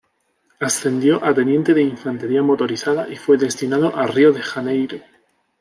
Ascendió a Teniente de infantería motorizada y fue destinado a Río de Janeiro.